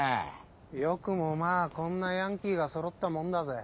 よくもまぁこんなヤンキーがそろったもんだぜ。